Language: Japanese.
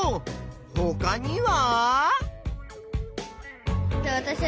ほかには？